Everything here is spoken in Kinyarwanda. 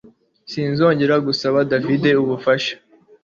Sinzongera gusaba David ubufasha